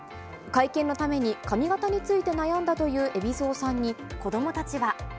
会見のために、髪形について悩んだという海老蔵さんに、子どもたちは。